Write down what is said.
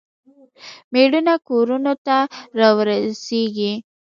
میړونه کورونو ته راورسیږي.